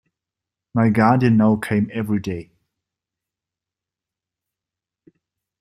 My guardian now came every day.